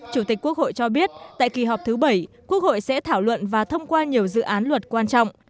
chủ tịch quốc hội cho biết tại kỳ họp thứ bảy quốc hội sẽ thảo luận và thông qua nhiều dự án luật quan trọng